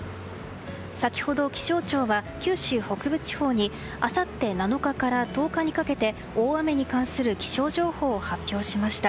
先ほど気象庁は九州北部地方にあさって７日から１０日にかけて大雨に関する気象情報を発表しました。